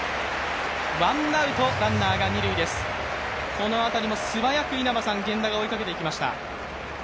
この辺りも素早く源田が追いかけていきました。